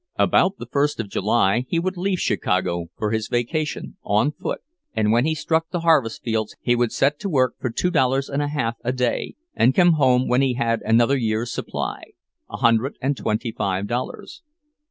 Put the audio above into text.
About the first of July he would leave Chicago for his vacation, on foot; and when he struck the harvest fields he would set to work for two dollars and a half a day, and come home when he had another year's supply—a hundred and twenty five dollars.